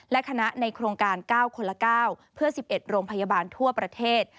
และคณะในโครงการ๙คนละ๙เพื่อ๑๑โรงพยาบาลทั่วประเทศ